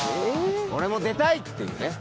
「俺も出たい」っていうね。